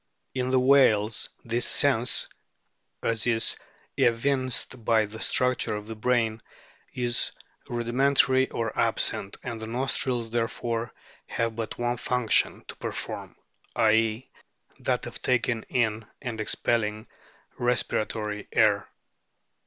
In the whales this sense, as is evinced by the structure of the brain, is rudimentary or absent, and the nostrils therefore have but one function to perform, i.e., that of taking in and expelling respira tory air.